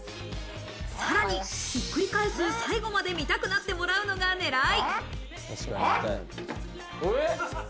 さらにひっくり返して最後まで見たくなってもらうのが狙い。